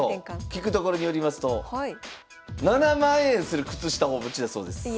聞くところによりますと７万円する靴下をお持ちだそうです。